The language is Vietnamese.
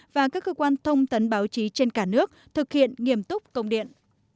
và các cơ quan thông tấn báo chí trên cả nước thực hiện nghiêm túc công điện